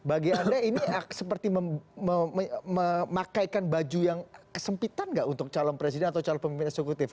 bagi anda ini seperti memakaikan baju yang kesempitan nggak untuk calon presiden atau calon pemimpin eksekutif